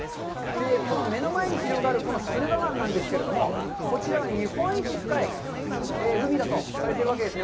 この目の前に広がる駿河湾なんですけども、こちらは日本一深い海だとされているわけです。